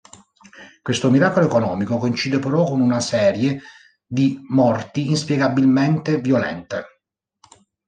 Questo miracolo economico coincide però con una serie di morti inspiegabilmente violente.